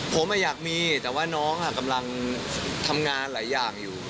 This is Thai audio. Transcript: ผมอยากมีแต่ว่าน้องกำลังทำงานหลายอย่างอยู่